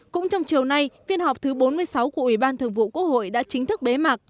cũng trong chiều nay phiên họp thứ bốn mươi sáu của ủy ban thường vụ quốc hội đã chính thức bế mạc